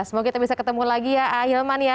semoga kita bisa ketemu lagi ya ahilman ya